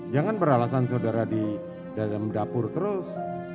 jangan beralasan saudara di dalam dapur terus